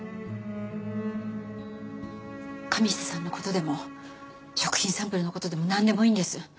神下さんの事でも食品サンプルの事でもなんでもいいんです。